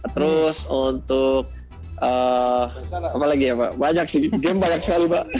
terus untuk apa lagi ya pak banyak sih game banyak sekali pak